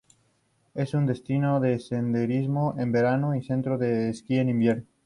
Es un destino de senderismo en verano y un centro de esquí en invierno.